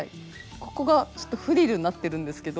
ここがちょっとフリルになってるんですけど。